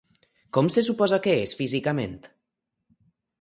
Com se suposa que és físicament?